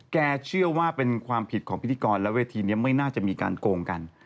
แกเชื่อว่าเป็นความผิดของพิธีกรและเวทีนี้ไม่น่าจะมีการโกงกัน